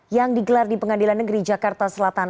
yang digelar di pengadilan negeri jakarta selatan